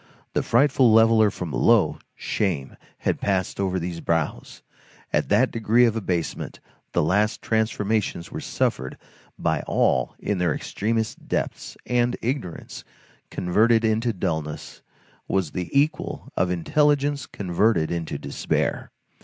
The frightful leveller from below, shame, had passed over these brows; at that degree of abasement, the last transformations were suffered by all in their extremest depths, and ignorance, converted into dulness, was the equal of intelligence converted into despair.